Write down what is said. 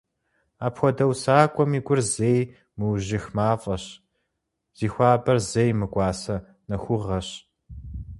Апхуэдэ усакӀуэм и гур зэи мыужьых мафӀэщ, зи хуабэр зэи мыкӀуасэ нэхугъэщ.